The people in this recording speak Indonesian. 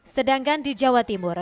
sedangkan di jawa timur